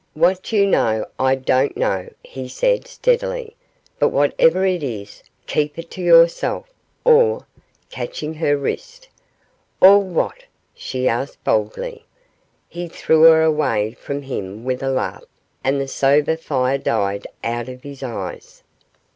'What you know I don't know,' he said, steadily; 'but whatever it is, keep it to yourself, or ,' catching her wrist. 'Or what?' she asked, boldly. He threw her away from him with a laugh, and the sombre fire died out of his eyes.